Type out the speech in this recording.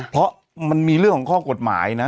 เพราะมันมีเรื่องของข้อกฎหมายนะ